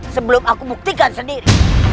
sebelum aku buktikan sendiri